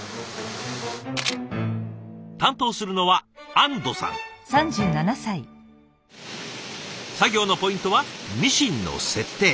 担当するのは作業のポイントはミシンの設定。